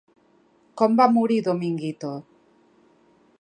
Com va morir Dominguito?